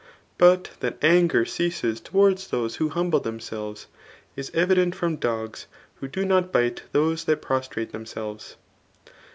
But that anger ceases towards those who humble themselves, is evident from dogs who do not Inte those that prostrate themselves.